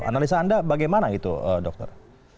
analisa anda bagaimana itu dokter